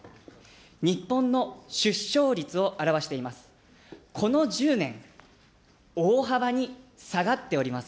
日本の出生率を表しています。